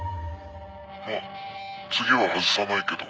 まっ次は外さないけど。